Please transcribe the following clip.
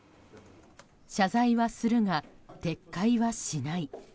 謝罪はするが撤回はしない。